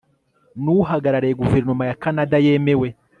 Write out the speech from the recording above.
ni uhagarariye guverinoma ya kanada yemewe